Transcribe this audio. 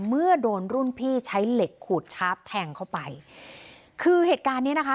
เมื่อโดนรุ่นพี่ใช้เหล็กขูดชาร์ฟแทงเข้าไปคือเหตุการณ์เนี้ยนะคะ